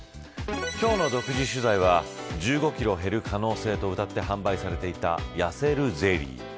今日の独自取材は１５キロ痩せるとうたって販売されていた、やせるゼリー。